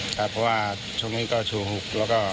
เพราะว่าช่วงนี้ก็ชู้หุก